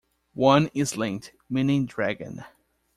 One is "lint" meaning "dragon".